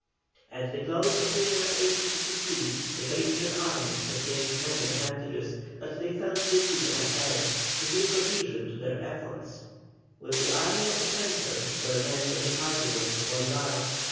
At the close of the year 1816 the Patriot armies had gained many advantages, but they felt the need of a head to give cohesion to their efforts. With the army of the centre were many of the partisans of Bolívar.